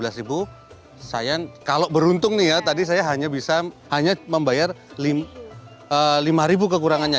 sayang kalau beruntung nih ya tadi saya hanya bisa hanya membayar lima kekurangannya